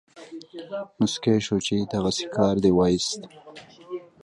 موسکی شو چې دغسې کار دې وایست.